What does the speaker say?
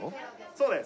そうです。